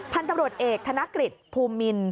พันธุ์ตำรวจเอกธนกฤษภูมิน